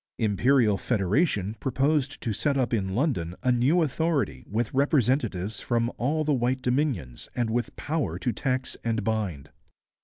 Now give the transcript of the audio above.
Imperial Federation proposed to set up in London a new authority with representatives from all the white Dominions and with power to tax and bind.